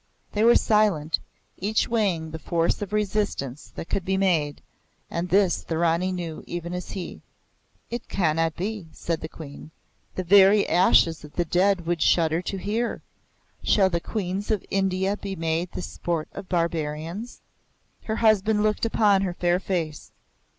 They were silent, each weighing the force of resistance that could be made; and this the Rani knew even as he. "It cannot be," she said; "the very ashes of the dead would shudder to hear. Shall the Queens of India be made the sport of the barbarians?" Her husband looked upon her fair face.